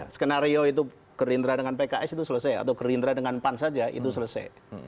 skenario itu gerindra dengan pks itu selesai atau gerindra dengan pan saja itu selesai